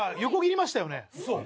そう。